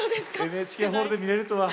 ＮＨＫホールで見れるとは。